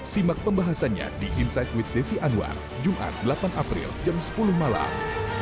simak pembahasannya di inside with desi anwar jumat delapan april jam sepuluh malam